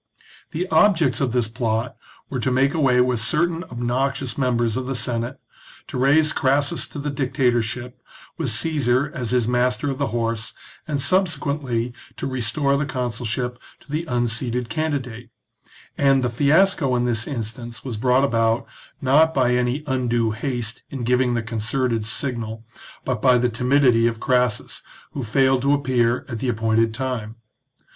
The objects of this plot were to make away with certain obnoxious members of the Senate, to raise Crassus to the dictatorship, with Caesar as his Master of the Horse, and subsequently to restore the consulship to the unseated candidate ; and the fiasco in this instance was brought about, not by any undue haste in giving the concerted signal, but by the timidity of Crassus, who failed to appear at the appointed time.